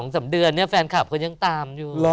นี่๒๓เดือนเฟานท์ครับเขายังตามอยู่